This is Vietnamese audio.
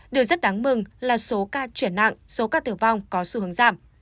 điều rất đáng mừng là số ca chuyển nặng số ca tử vong có xu hướng giảm